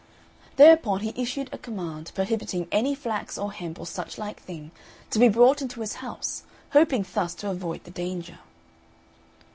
Thereupon he issued a command, prohibiting any flax or hemp, or such like thing, to be brought into his house, hoping thus to avoid the danger.